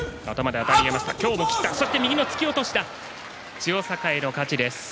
千代栄の勝ちです。